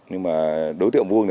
nhưng mà đối tượng vuông